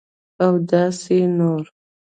اوداسي نور